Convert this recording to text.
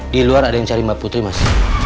di luar ada yang cari mbak putri mas